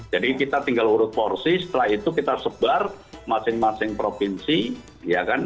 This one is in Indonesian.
jadi kita tinggal urut porsi setelah itu kita sebar masing masing provinsi ya kan